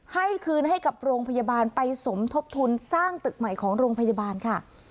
ให้คืนให้กับโรงพยาบาลไปสมทบทุนสร้างตึกใหม่ของโรงพยาบาลค่ะ